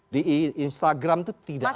di instagram itu tidak ada